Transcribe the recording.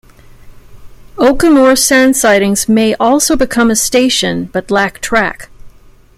Oakamoor sand sidings may also become a station, but lack track.